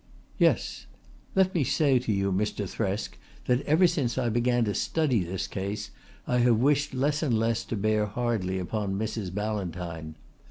"Yes. Let me say to you, Mr. Thresk, that ever since I began to study this case I have wished less and less to bear hardly upon Mrs. Ballantyne.